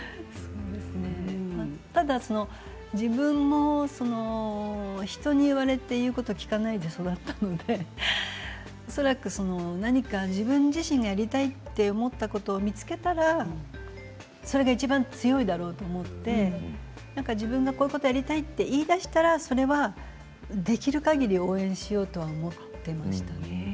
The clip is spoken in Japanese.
ただ自分も人に言われて言うことを聞かないで育ったので恐らく何か自分自身がやりたいと思ったことを見つけたらそれが、いちばん強いだろうと思って自分がこういうことをやりたいって言いだしたらそれはできるかぎり応援しようと思っていましたね。